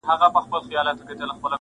ډېر به دي رقیبه جهاني د سترګو غشی وي -